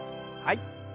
はい。